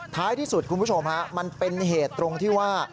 ท้ายที่สุดคุณผู้ชมฮะมันเป็นเหตุตรงที่ว่า